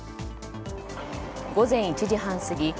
午前１時半過ぎ